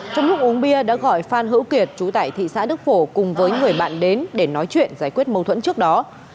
trong lúc uống bia đã gọi phan hữu kiệt chú tại thị xã đức phổ cùng với người bạn đến để nói chuyện giải quyết mâu thuẫn trước đó